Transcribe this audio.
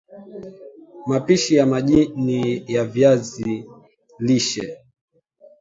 Mapishi ya majani ya viazi lishe